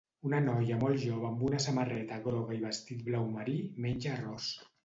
Una noia molt jova amb una samarreta groga i vestit blau marí menja arròs.